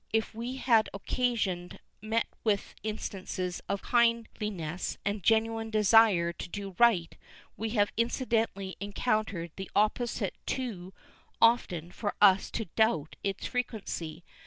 If we have occasionally met with instances of kind liness and genuine desire to do right, we have incidentally encoun tered the opposite too often for us to doubt its frequency.